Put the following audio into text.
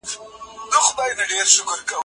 خلګو خپلي پيسې له بانکونو څخه ويستلې وې.